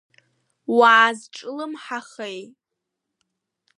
Уаазҿлымҳахеи!